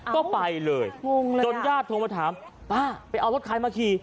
ก็ไปเลยจนยาชมาถามว่าว่าย่าไปเอารถไขมาขี่